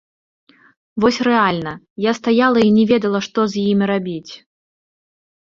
Вось рэальна, я стаяла і не ведала, што з імі рабіць.